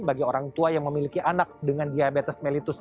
bagi orang tua yang memiliki anak dengan diabetes mellitus